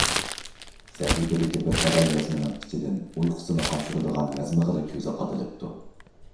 سەھىپىدىكى بىر تالاي يازمىنىڭ ئىچىدىن ئۇيقۇسىنى قاچۇرىدىغان يازمىغىلا كۆزى قادىلىپتۇ.